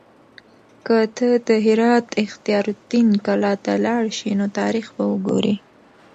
که ته د هرات اختیار الدین کلا ته لاړ شې نو تاریخ به وګورې.